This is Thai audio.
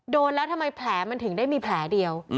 โดนแล้วทำไมแผลมันถึงได้มีแผลเดียว